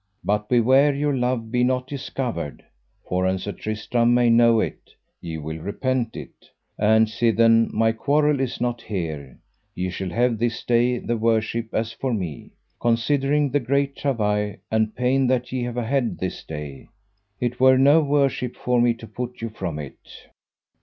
But beware your love be not discovered, for an Sir Tristram may know it ye will repent it; and sithen my quarrel is not here, ye shall have this day the worship as for me; considering the great travail and pain that ye have had this day, it were no worship for me to put you from it.